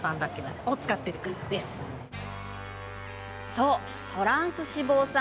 そう、トランス脂肪酸。